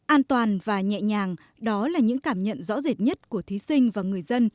an toàn và nhẹ nhàng đó là những cảm nhận rõ rệt nhất của thí sinh và người dân